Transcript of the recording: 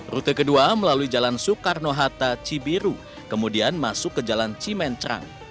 rute kedua melalui jalan soekarno hatta cibiru kemudian masuk ke jalan cimencrang